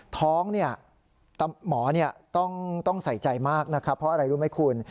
ท้องเนี่ยหมอต้องใส่ใจมากนะครับเพราะอะไรรู้ไหมคุณ